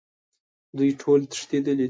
دوی ټول تښتیدلي دي